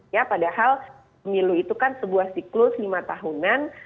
ya padahal pemilu itu kan sebuah siklus lima tahunan